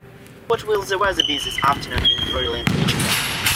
What will the weather be this Afternoon in Brilliant Michigan?